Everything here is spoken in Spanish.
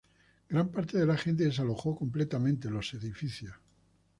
Gran parte de la gente desalojó completamente los edificios.